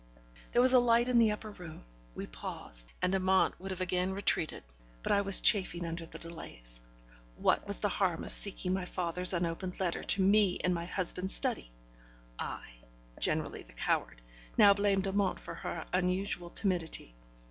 There was a light in the upper room; we paused, and Amante would have again retreated, but I was chafing under the delays. What was the harm of my seeking my father's unopened letter to me in my husband's study? I, generally the coward, now blamed Amante for her unusual timidity.